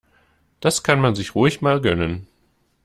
Das kann man sich ruhig mal gönnen.